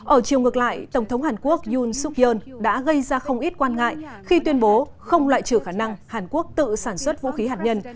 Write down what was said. ở chiều ngược lại tổng thống hàn quốc yoon suk yoon đã gây ra không ít quan ngại khi tuyên bố không loại trừ khả năng hàn quốc tự sản xuất vũ khí hạt nhân